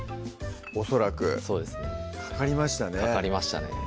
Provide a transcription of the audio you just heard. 恐らくそうですねかかりましたねかかりましたね